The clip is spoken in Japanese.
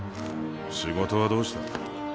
仕事はどうした？